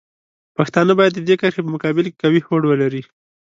پښتانه باید د دې کرښې په مقابل کې قوي هوډ ولري.